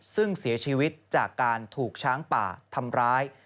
ซึ่งเสียชีวิตจากการถูกช้างป่าทำร้าย